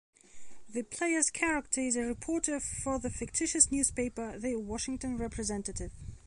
The player's character is a reporter for the fictitious newspaper "The Washington Representative".